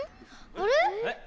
あれ？